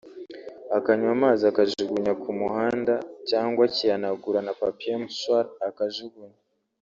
akanywa amazi akajugunya ku muhanda cyangwa akihanagura na papier mouchoir akajugunya